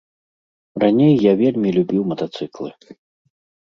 Раней я вельмі любіў матацыклы.